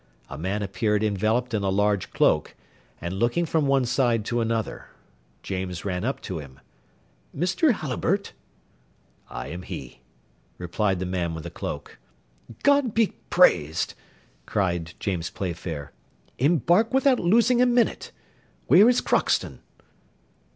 A man appeared enveloped in a large cloak, and looking from one side to another. James ran up to him. "Mr. Halliburtt?" "I am he," replied the man with the cloak. "God be praised!" cried James Playfair. "Embark without losing a minute. Where is Crockston?"